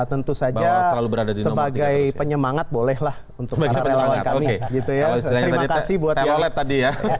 tentu saja sebagai penyemangat bolehlah untuk para relawan kami